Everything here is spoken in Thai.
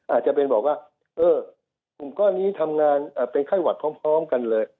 อาจจะเป็นบอกว่าเออกลุ่มก้อนนี้ทำงานเป็นไข้หวัดพร้อมกันเลย